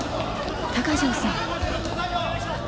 鷹城さん。